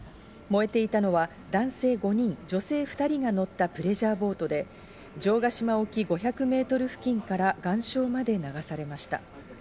燃えていたのは男性５人、女性２人が乗ったプレジャーボートで、城ヶ島沖５００メートル付近から岩礁まで流されました。